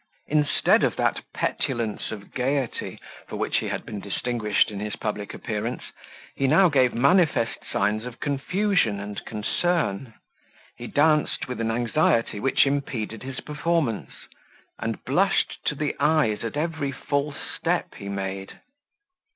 Instead of that petulance of gaiety for which he had been distinguished in his public appearance, he now gave manifest signs of confusion and concern: he danced with an anxiety which impeded his performance, and blushed to the eyes at every false step he made.